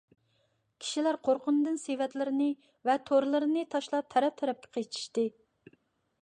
كىشىلەر قورققىنىدىن سېۋەتلىرىنى ۋە تورلىرىنى تاشلاپ تەرەپ - تەرەپكە قېچىشتى.